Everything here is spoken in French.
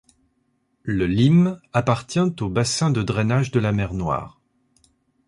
Le Lim appartient au bassin de drainage de la Mer Noire.